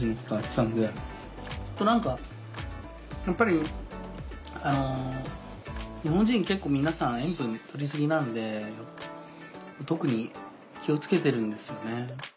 あと何かやっぱり日本人結構皆さん塩分とりすぎなんで特に気をつけてるんですよね。